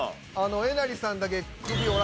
えなりさんだけ首折ら